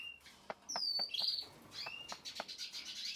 Vyama ivyo ni chama cha Mapinduzi na chama cha Wananchi